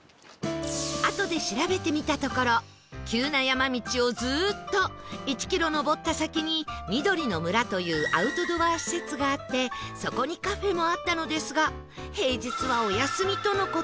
あとで調べてみたところ急な山道をずーっと１キロ上った先にみどりの村というアウトドア施設があってそこにカフェもあったのですが平日はお休みとの事